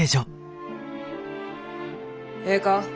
ええか？